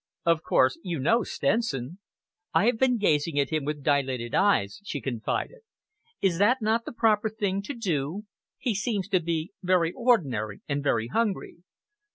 "Of course you know Stenson?" "I have been gazing at him with dilated eyes," she confided. "Is that not the proper thing to do? He seems to me very ordinary and very hungry."